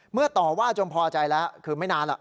เมื่อต่อว่าจนพอใจแล้วคือไม่นานล่ะ